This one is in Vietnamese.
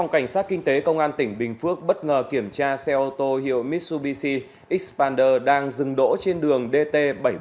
cảnh sát kinh tế công an tỉnh bình phước bất ngờ kiểm tra xe ô tô hiệu mitsubishinder đang dừng đỗ trên đường dt bảy trăm bốn mươi